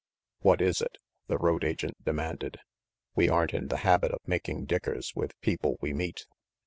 "What is it?" the road agent demanded. "We aren't in the habit of making dickers with people we meet."